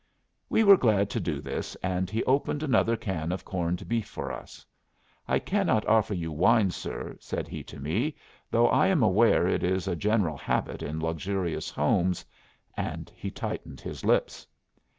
We were glad to do this, and he opened another can of corned beef for us. "I cannot offer you wine, sir," said he to me, "though I am aware it is a general habit in luxurious homes." And he tightened his lips.